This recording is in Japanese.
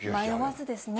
迷わずですね。